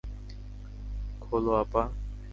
খোলো, আপা।